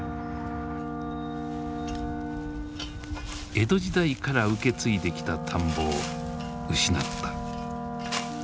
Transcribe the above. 江戸時代から受け継いできた田んぼを失った。